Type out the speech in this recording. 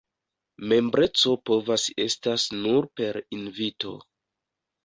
Membreco povas estas nur per invito.